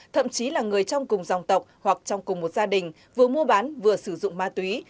thậm chí là người trong cùng dòng tộc hoặc trong cùng một gia đình vừa mua bán vừa sử dụng ma túy